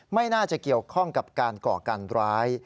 ไม่น่าจะเกี่ยวข้องกับการก่อการร้าย